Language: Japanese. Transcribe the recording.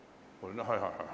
はいはいはいはい。